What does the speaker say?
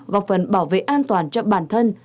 gọc phần bảo vệ an toàn cho bản thân